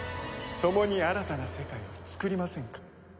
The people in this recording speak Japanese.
共に新たな世界を創りませんか？